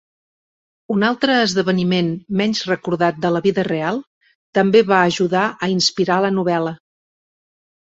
Un altre esdeveniment menys recordat de la vida real també va ajudar a inspirar la novel·la.